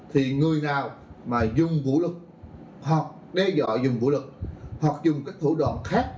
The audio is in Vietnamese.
thì người nào mà dùng vũ lực hoặc đe dọa dùng vũ lực hoặc dùng các thủ đoạn khác